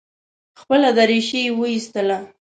خپله درېشي یې وایستله.